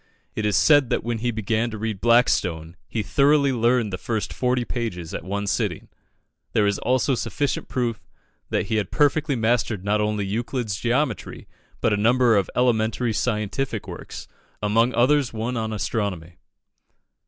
It is said that when he began to read Blackstone, he thoroughly learned the first forty pages at one sitting. There is also sufficient proof that he had perfectly mastered not only "Euclid's Geometry," but a number of elementary scientific works, among others one on astronomy.